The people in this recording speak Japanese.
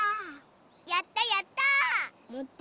やったやった！